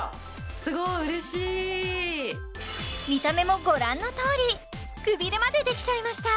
すごい嬉しい見た目もご覧のとおりくびれまでできちゃいました